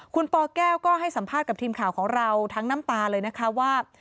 คุณปแก้วก็ให้สัมภาษณ์กับทีมข่าวของเราทั้งน้ำตาเลยนะคะว่า